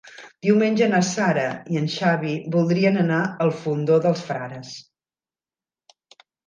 Diumenge na Sara i en Xavi voldrien anar al Fondó dels Frares.